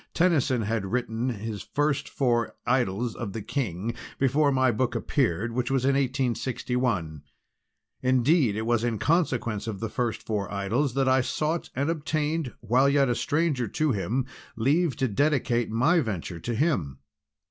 Tennyson had written his first four 'Idylls of the King' before my book appeared, which was in 1861. Indeed, it was in consequence of the first four Idylls that I sought and obtained, while yet a stranger to him, leave to dedicate my venture to him.